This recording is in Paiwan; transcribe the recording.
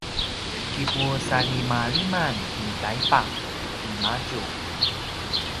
kipusalimaliman i taipaq timadju